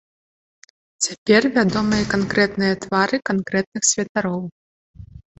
Цяпер вядомыя канкрэтныя твары канкрэтных святароў.